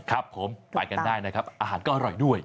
ครับผมไปกันได้นะครับอาหารก็อร่อยด้วย